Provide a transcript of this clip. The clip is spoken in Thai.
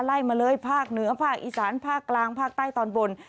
ไล่มาเลยภาคเหนือภาคอีสานภาคกลางภาคใต้ตอนบน